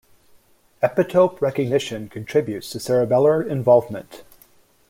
Epitope recognition contributes to cerebellar involvement.